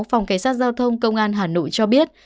phòng cảnh sát giao thông công an hà nội cho biết